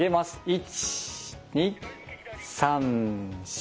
１２３４